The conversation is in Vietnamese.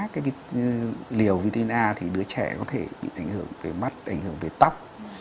cái liều vitamin a thì đứa trẻ có thể bị ảnh hưởng về mắt ảnh hưởng về tóc